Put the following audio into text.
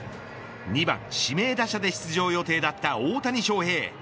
２番指名打者で出場予定だった大谷翔平。